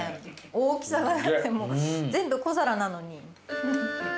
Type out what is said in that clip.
大きさがだってもう全部小皿なのに。